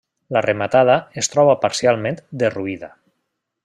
La rematada es troba parcialment derruïda.